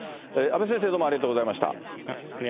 阿部先生、どうもありがとうございました。